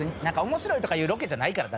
面白いとかいうロケじゃないから。